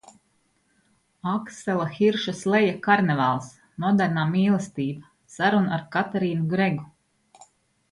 Aksela Hirša sleja Karnevāls; Modernā mīlestība – saruna ar Katerinu Gregu;